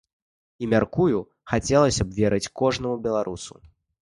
І, мяркую, хацелася б верыць кожнаму беларусу.